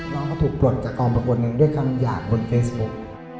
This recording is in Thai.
น้องเขาถูกปรวจกับกองประกวดนึงด้วยคำอยากบนเคสบุค